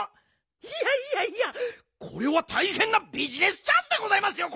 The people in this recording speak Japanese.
いやいやいやこれはたいへんなビジネスチャンスでございますよ